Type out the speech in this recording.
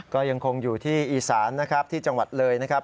ก็ยังคงอยู่ที่อีสานนะครับที่จังหวัดเลยนะครับ